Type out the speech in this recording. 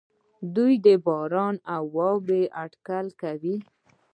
دوی د باران او واورې اټکل کوي.